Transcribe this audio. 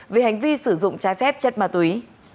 về hành vi sử dụng trái phép chất ma túy